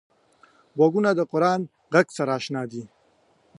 غوږونه د قران غږ سره اشنا دي